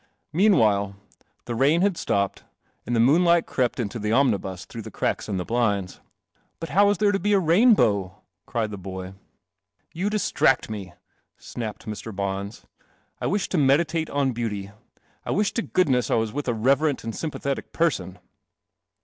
Meanwhile, the rain had stopped, and moonlight crept into the omni bus through the cracks in the blinds. " But how is there to be a rainbow? " cried the boy. " You distracf me," snapped Mr. Bons. " I wish to meditate on beauty. I wish to good ness I was with a reverent and sympathetic person."